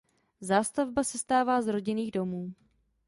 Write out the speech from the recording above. Zástavba sestává z rodinných domů.